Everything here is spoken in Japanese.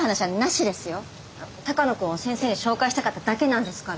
鷹野君を先生に紹介したかっただけなんですから。